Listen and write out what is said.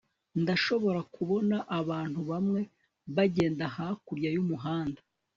Ndashobora kubona abantu bamwe bagenda hakurya yumuhanda